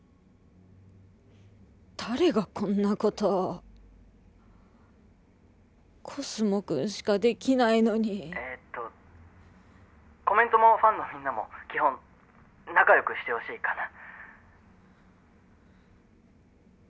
誰がこんなことをコスモくんしかできないのに「えっとコメントもファンのみんなも基本仲よくしてほしいかな」